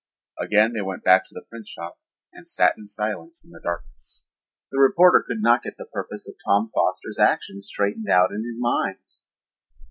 Again they went back to the printshop and sat in silence in the darkness. The reporter could not get the purpose of Tom Foster's action straightened out in his mind.